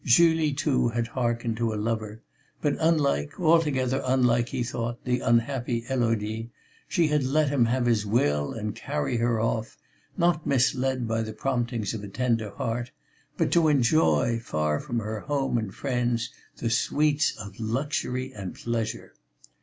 Julie too had hearkened to a lover; but, unlike, altogether unlike, he thought, the unhappy Élodie, she had let him have his will and carry her off, not misled by the promptings of a tender heart, but to enjoy, far from her home and friends, the sweets of luxury and pleasure.